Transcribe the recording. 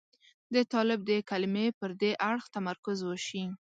د طالب د کلمې پر دې اړخ تمرکز وشي.